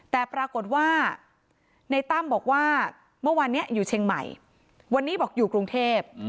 แต่ปรากฏว่าในตั้มบอกว่าเมื่อวานนี้อยู่เชียงใหม่วันนี้บอกอยู่กรุงเทพ